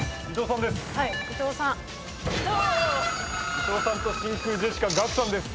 伊藤さんと真空ジェシカガクさんです。